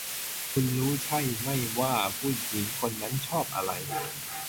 คุณรู้ใช่ไม่ว่าผู้หญิงคนนั้นชอบอะไร